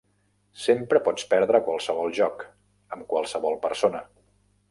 Sempre pots perdre qualsevol joc, amb qualsevol persona.